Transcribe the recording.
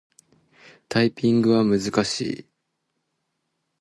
タイピングは難しい。